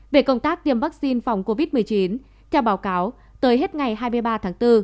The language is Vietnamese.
về công tác tiêm vaccine phòng covid một mươi chín theo báo cáo tới hết ngày hai mươi ba tháng bốn